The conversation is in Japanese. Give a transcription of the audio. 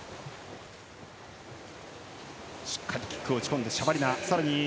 しっかりキックを打ち込むシャバリナ。